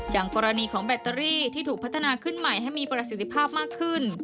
อย่างกรณีของแบตเตอรี่ที่ถูกพัฒนาขึ้นใหม่ให้มีประสิทธิภาพมากขึ้น